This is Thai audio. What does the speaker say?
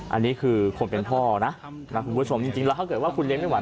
อันนี้คือคนเป็นพ่อนะคุณผู้ชมจริงแล้วถ้าเกิดว่าคุณเลี้ยไม่ไห